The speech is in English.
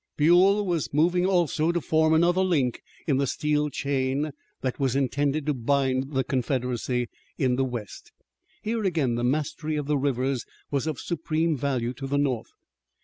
Buell was moving also to form another link in the steel chain that was intended to bind the Confederacy in the west. Here again the mastery of the rivers was of supreme value to the North.